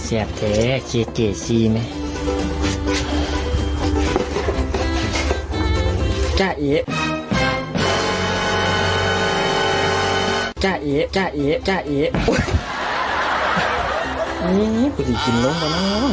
เย้อย่าเช็คดี่นะ